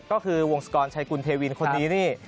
ก็คือวงศกรชัยกุลเทวินคนนี้นี่